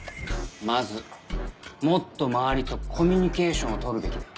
まずもっと周りとコミュニケーションを取るべきだ。